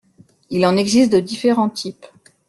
Il en existe de différents types.